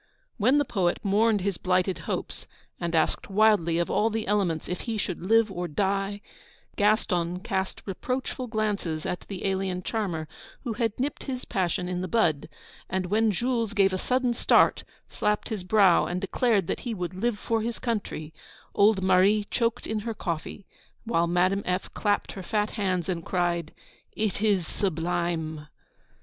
When the poet mourned his blighted hopes, and asked wildly of all the elements if he should live or die, Gaston cast reproachful glances at the alien charmer who had nipped his passion in the bud; and when Jules gave a sudden start, slapped his brow, and declared that he would live for his country, old Marie choked in her coffee, while Madame F. clapped her fat hands, and cried: 'It is sublime!'